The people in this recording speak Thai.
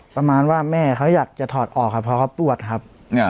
ประมาณว่าแม่เขาอยากจะถอดออกครับเพราะเขาปวดครับ